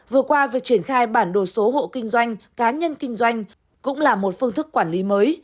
vừa qua việc triển khai bản đồ số hộ kinh doanh cá nhân kinh doanh cũng là một phương thức quản lý mới